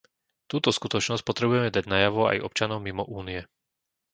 Túto skutočnosť potrebujeme dať najavo aj občanom mimo Únie.